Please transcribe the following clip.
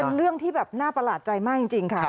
เรื่องที่แบบน่าประหลาดใจมากจริงค่ะ